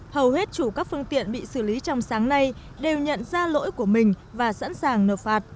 hầu hết chủ các phương tiện bị xử lý trong sáng nay đều nhận ra lỗi của mình và sẵn sàng nộp phạt